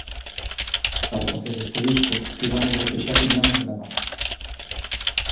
Para facer este disco tiramos do que xa tiñamos gravado.